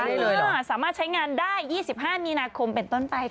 สามารถใช้งานได้๒๕มีนาคมเป็นต้นไปค่ะ